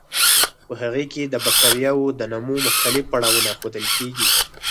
په هغې کې د بکټریاوو د نمو مختلف پړاوونه ښودل کیږي.